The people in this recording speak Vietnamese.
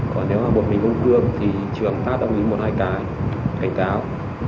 còn nếu mà một mình ông cường thì trường phát đồng ý một hai cái cảnh cáo